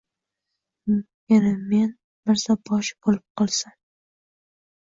Yana men mirzoboshi bo’lib qolsam